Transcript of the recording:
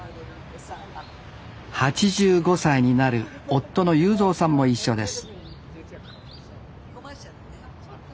８５歳になる夫の雄三さんも一緒です